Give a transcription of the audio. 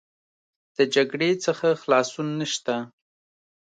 د جګړې څخه خلاصون نشته.